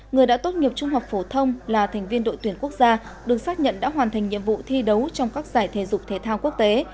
người đã tốt nghiệp trung học phổ thông là thành viên đội tuyển quốc gia được xác nhận đã hoàn thành nhiệm vụ thi đấu trong các giải thể dục thể thao quốc tế